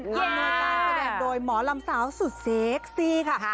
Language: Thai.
อำนวยการแสดงโดยหมอลำสาวสุดเซ็กซี่ค่ะ